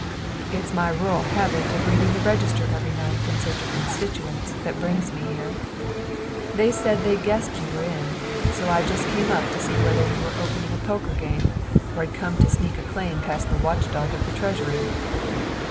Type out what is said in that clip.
"It's my rural habit of reading the register every night in search of constituents that brings me here. They said they guessed you were in, so I just came up to see whether you were opening a poker game or had come to sneak a claim past the watch dog of the treasury."